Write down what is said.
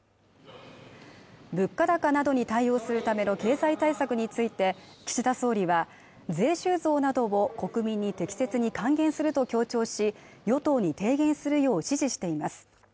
物価高などに対応するための経済対策について岸田総理は税収増などを国民に適切に還元すると強調し与党に提言するよう指示しています